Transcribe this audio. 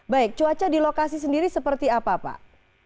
baik cuaca di lokasi sendiri seperti apa pak